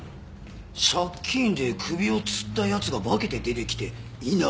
借金で首を吊った奴が化けて出てきて稲葉を殺した。